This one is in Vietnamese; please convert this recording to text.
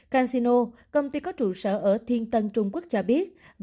casino công ty có trụ sở ở thiên tân trung quốc cho biết